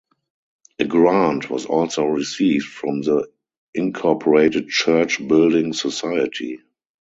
A grant was also received from the Incorporated Church Building Society.